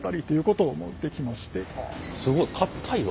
すごい硬いわ。